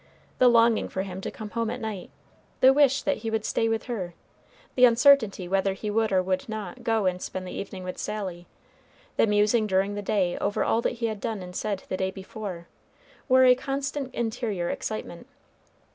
The longing for him to come home at night, the wish that he would stay with her, the uncertainty whether he would or would not go and spend the evening with Sally, the musing during the day over all that he had done and said the day before, were a constant interior excitement.